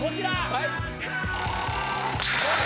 はい。